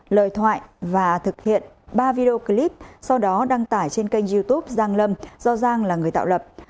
lời thoại và thực hiện ba video clip sau đó đăng tải trên kênh youtube giang lâm do giang là người tạo lập